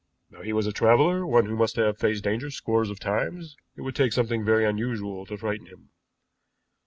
Now he was a traveler, one who must have faced danger scores of times; it would take something very unusual to frighten him."